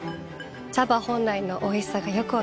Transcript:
茶葉本来のおいしさがよく分かります。